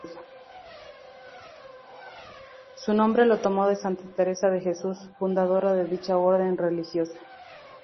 Su nombre lo tomó de Santa Teresa de Jesús, fundadora de dicha orden religiosa.